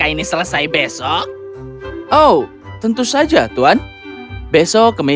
jadi misalnya lakukan apa yang bisa membuat dia pulang assunto untuk kembarang kuka kamu